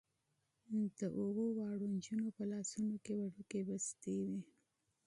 د اوو واړو نجونو په لاسونو کې وړوکې بستې وې.